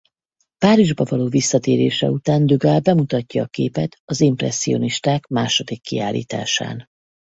Párizsba való visszatérése után Degas bemutatja a képet az impresszionisták második kiállításán.